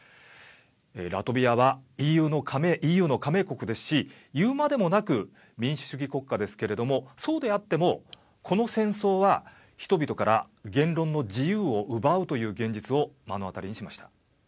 ラトビアはＥＵの加盟国ですし言うまでもなく民主主義国家ですけれどもそうであってもこの戦争は人々から言論の自由を奪うという現実を目の当たりにしました。